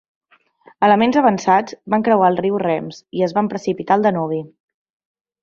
Elements avançats van creuar el riu Rems i es van precipitar al Danubi.